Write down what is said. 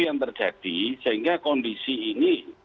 yang terjadi sehingga kondisi ini